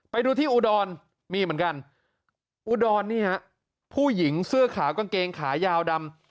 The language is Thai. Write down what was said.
ไปดูที่อุดรมีเหมือนกันอุดรนี่ฮะผู้หญิงเสื้อขาวกางเกงขายาวดำ